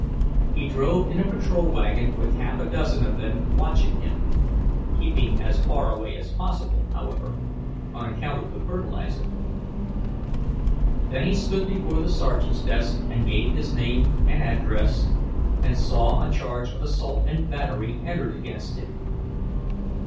He drove in a patrol wagon with half a dozen of them watching him; keeping as far away as possible, however, on account of the fertilizer. Then he stood before the sergeant's desk and gave his name and address, and saw a charge of assault and battery entered against him.